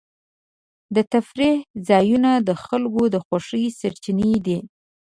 د تفریح ځایونه د خلکو د خوښۍ سرچینې دي.